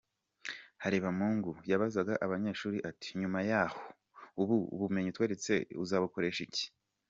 Harebamungu yabazaga abanyeshuri ati: “Nyuma yaho, ubu bumenyi utweretse uzabukoresha iki?”.